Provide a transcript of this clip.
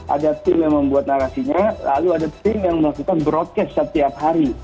ada tim yang membuat narasinya lalu ada tim yang melakukan broadcast setiap hari